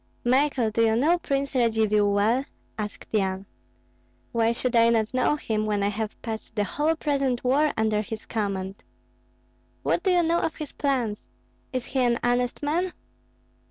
"Michael, do you know Prince Radzivill well?" asked Yan. "Why should I not know him, when I have passed the whole present war under his command?" "What do you know of his plans? Is he an honest man?"